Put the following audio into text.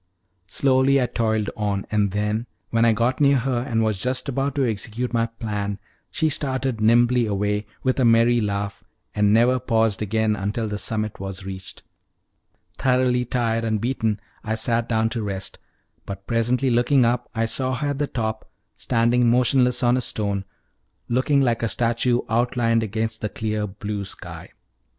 Slowly I toiled on, and then, when I got near her and was just about to execute my plan, she started nimbly away, with a merry laugh, and never paused again until the summit was reached. Thoroughly tired and beaten, I sat down to rest; but presently looking up I saw her at the top, standing motionless on a stone, looking like a statue outlined against the clear blue sky.